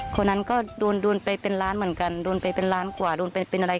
คนนั้นก็โดนโดนไปเป็นล้านเหมือนกันโดนไปเป็นล้านกว่าโดนไปเป็นอะไร